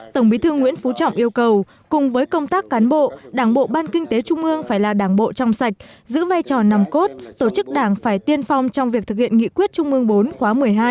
tổng bí thư nguyễn phú trọng yêu cầu cùng với công tác cán bộ đảng bộ ban kinh tế trung ương phải là đảng bộ trong sạch giữ vai trò nằm cốt tổ chức đảng phải tiên phong trong việc thực hiện nghị quyết trung mương bốn khóa một mươi hai